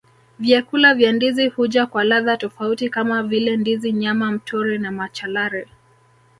Vyakula vya ndizi huja kwa ladha tofauti kama vile ndizi nyama mtori na machalari